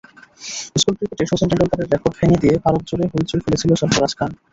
School ক্রিকেটে শচীন টেন্ডুলকারের record ভেঙে দিয়ে ভারতজুড়ে হইচই ফেলেছিলেন সরফরাজ খান।